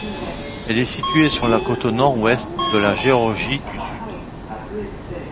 Elle est située sur la côte nord-ouest de la Géorgie du Sud.